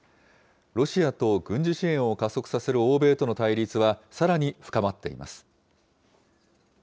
ロシアと軍事支援を加速させる欧米との対立はさらに深まっています。